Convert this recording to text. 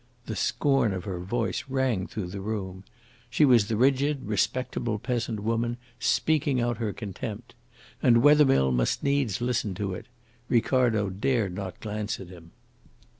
The scorn of her voice rang through the room. She was the rigid, respectable peasant woman, speaking out her contempt. And Wethermill must needs listen to it. Ricardo dared not glance at him.